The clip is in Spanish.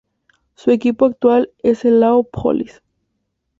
Su equipo actual es el Lao Police.